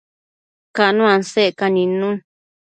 Cano asecca nidnun